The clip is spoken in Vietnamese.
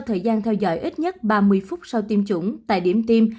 thời gian theo dõi ít nhất ba mươi phút sau tiêm chủng tại điểm tiêm